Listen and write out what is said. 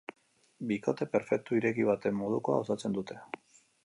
Bikote perfektu ireki baten modukoa osatzen dute.